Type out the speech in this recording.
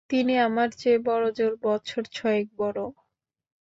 তিনি আমার চেয়ে বড়োজোর বছর ছয়েক বড়ো।